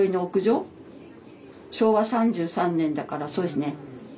昭和３３年だからそうですね。